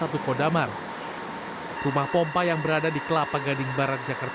di beberapa titik di wilayah dki jakarta